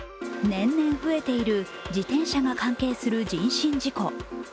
年々増えている自転車が関係する人身事故。